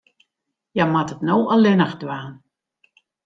Hja moat it no allinnich dwaan.